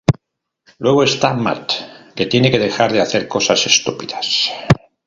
Luego está Matt, que tiene que dejar de hacer cosas estúpidas".